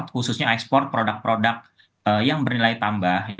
khususnya ekspor produk produk yang bernilai tambah